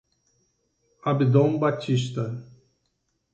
Abdon Batista